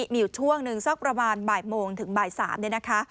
มีอยู่ช่วงหนึ่งสักประมาณบ่ายโมงถึงบ่าย๓เนี่ยนะคะ